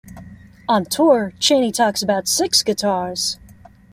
On tour, Cheney takes about six guitars.